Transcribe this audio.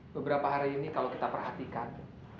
beberapa hari ini kalau kita perhatikan